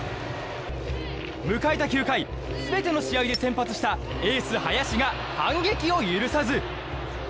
迎えた９回全ての試合で先発したエース、林が反撃を許さず。